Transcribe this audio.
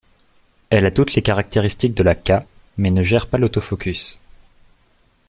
Elle a toutes les caractéristiques de la K mais ne gère pas l'autofocus.